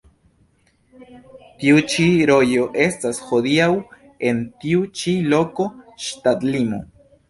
Tiu ĉi rojo estas hodiaŭ en tiu ĉi loko ŝtatlimo.